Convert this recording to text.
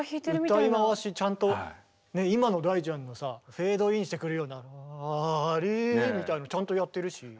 歌い回しちゃんと今の大ちゃんのさフェードインしてくるような「ラリ」みたいなのちゃんとやってるし。